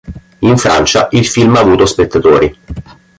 In Francia il film ha avuto spettatori.